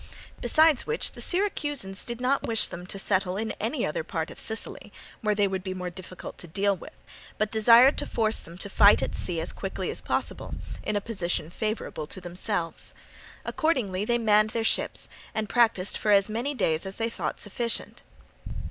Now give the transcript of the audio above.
Besides which the Syracusans did not wish them to settle in any other part of Sicily, where they would be more difficult to deal with, but desired to force them to fight at sea as quickly as possible, in a position favourable to themselves. Accordingly they manned their ships and practised for as many days as they thought sufficient.